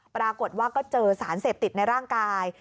ปรากฏว่าก็เจอสารเสพติดในร่างกาย